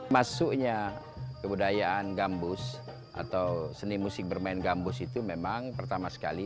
masuknya kebudayaan gambus atau seni musik bermain gambus itu memang pertama sekali